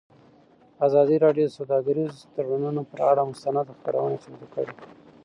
ازادي راډیو د سوداګریز تړونونه پر اړه مستند خپرونه چمتو کړې.